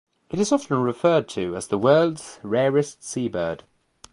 It is often referred to as the world's rarest seabird.